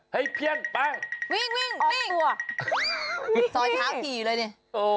เฮ้ยเพียงปั๊งวิ่งวิ่งออกตัวจอยขากี่เลยเนี่ย